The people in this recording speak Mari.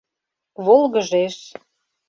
Волгыжеш...